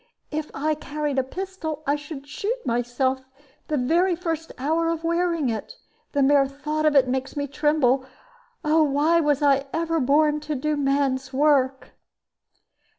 If I carried a pistol, I should shoot myself the very first hour of wearing it. The mere thought of it makes me tremble. Oh, why was I ever born, to do man's work?"